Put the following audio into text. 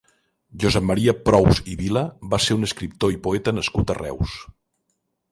Josep Maria Prous i Vila va ser un escriptor i poeta nascut a Reus.